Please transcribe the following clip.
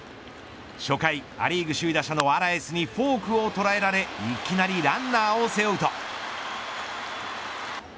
初回、ア・リーグ首位打者のアラエスにフォークを捉えられいきなりランナーを背負うと。